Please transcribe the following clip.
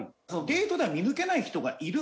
デートでは見抜けない人がいる。